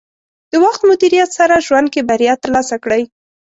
د وخت مدیریت سره ژوند کې بریا ترلاسه کړئ.